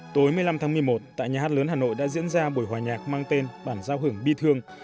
tối một mươi năm tháng một mươi một tại nhà hát lớn hà nội đã diễn ra buổi hòa nhạc mang tên bản giao hưởng bi thương